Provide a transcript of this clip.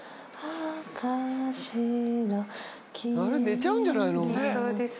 寝ちゃうんじゃないの？